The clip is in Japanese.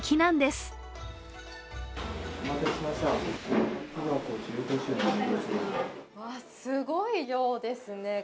すごい量ですね。